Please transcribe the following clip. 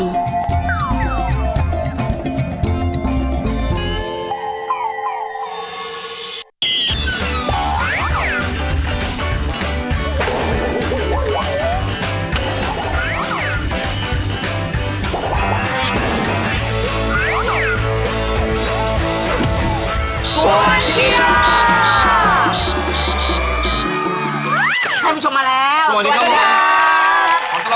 คุณผู้ชมมาแล้วสวัสดีครับ